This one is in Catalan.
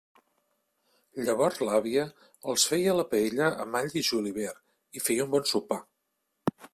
Llavors l'àvia els feia a la paella amb all i julivert, i feia un bon sopar.